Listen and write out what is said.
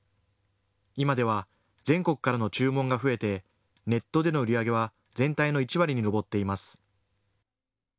今では全国からの注文が増えてネットでの売り上げは全体の１割に上っています。